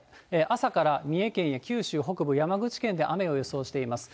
朝から三重県や九州北部、山口県で雨を予想しています。